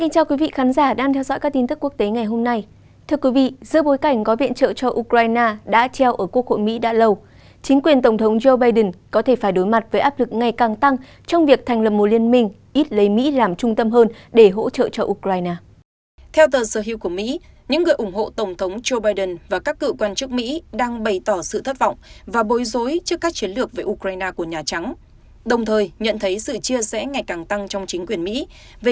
các bạn hãy đăng ký kênh để ủng hộ kênh của chúng mình nhé